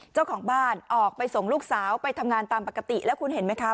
เจ้าของบ้านออกไปส่งลูกสาวไปทำงานตามปกติแล้วคุณเห็นไหมคะ